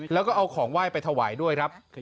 แล้วก็เอาของไหว้ไปถวายด้วยครับ